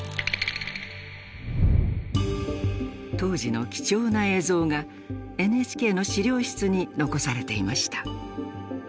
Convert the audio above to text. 当時の貴重な映像がＮＨＫの資料室に残されていました。